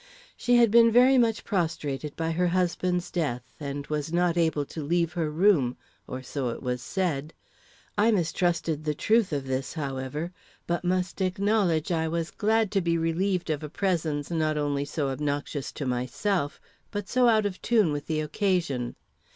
She had been very much prostrated by her husband's death, and was not able to leave her room, or so it was said. I mistrusted the truth of this, however, but must acknowledge I was glad to be relieved of a presence not only so obnoxious to myself, but so out of tune with the occasion.